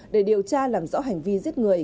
để điều tra làm rõ hành vi giết người